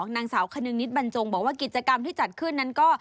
นางสาวคนึงนิดบรรจงบอกว่ากิจกรรมที่จัดขึ้นนั้นก็